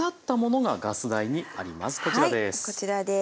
はいこちらです。